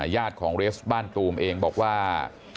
ญาติของเรสบ้านตูมเองบอกว่า